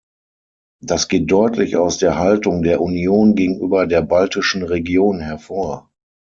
Das geht deutlich aus der Haltung der Union gegenüber der baltischen Region hervor.